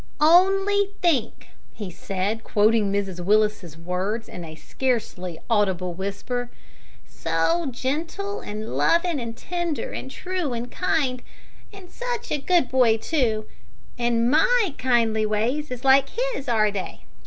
"On'y think!" he said, quoting Mrs Willis's words, in a scarcely audible whisper, "`so gentle, an' lovin', an' tender, an' true, an' kind' an' sitch a good boy too an' my kindly ways is like his, are they?